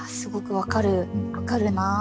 分かるなあ。